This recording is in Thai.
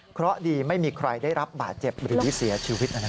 เพราะดีไม่มีใครได้รับบาดเจ็บหรือเสียชีวิต